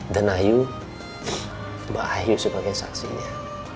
dan ayuh mbak ayu sebagai saksinya